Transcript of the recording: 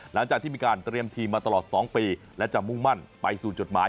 หลังจากที่มีการเตรียมทีมมาตลอด๒ปีและจะมุ่งมั่นไปสู่จดหมาย